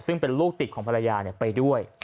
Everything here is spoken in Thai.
ซึ่งเป็นลูกติดของภรรยาไปด้วย